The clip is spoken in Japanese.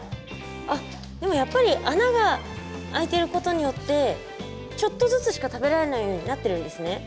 あっでもやっぱり穴が開いてることによってちょっとずつしか食べられないようになってるんですね。